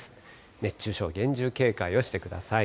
熱中症、厳重警戒をしてください。